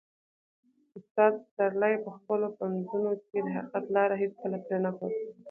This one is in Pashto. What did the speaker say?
استاد پسرلي په خپلو پنځونو کې د حقیقت لاره هیڅکله پرې نه ښوده.